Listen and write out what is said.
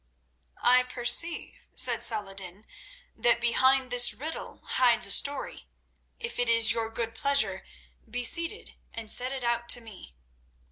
"I perceive," said Saladin, "that behind this riddle hides a story. If it is your good pleasure, be seated, and set it out to me."